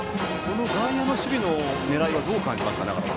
外野の守備の狙いはどう感じますか？